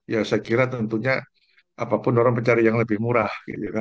ya saya kira tentunya apapun orang mencari yang lebih murah